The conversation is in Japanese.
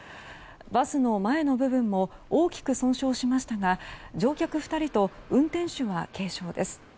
バスの前の部分も大きく損傷しましたが乗客２人と運転手は軽傷です。